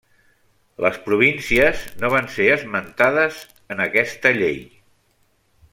Les províncies no van ser esmentades en aquesta llei.